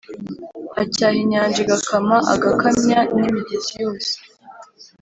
Acyaha inyanja igakama agakamya n’imigezi yose